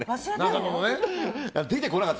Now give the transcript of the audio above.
出てこなかった。